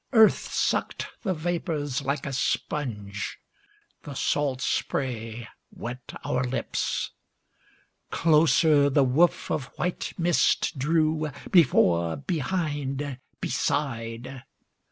Earth sucked the vapors like a sponge, The salt spray wet our lips. Closer the woof of white mist drew, Before, behind, beside.